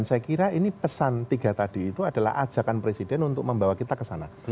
saya kira ini pesan tiga tadi itu adalah ajakan presiden untuk membawa kita ke sana